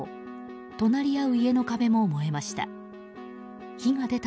隣り合う家の壁も燃えました。